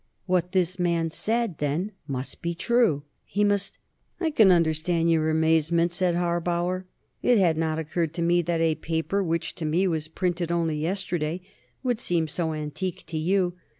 What this man said, then, must be true! He must "I can understand your amazement," said Harbauer. "It had not occurred to me that a paper which, to me, was printed only yesterday, would seem so antique to you.